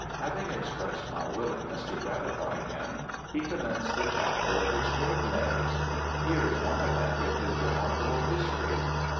Having expressed my willingness to gratify him, he commenced the chapter of extraordinaries. Here is one event in his remarkable history.